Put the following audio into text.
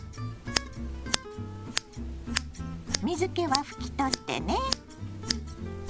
水けは拭き取ってね。